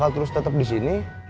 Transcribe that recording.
kalau terus tetap disini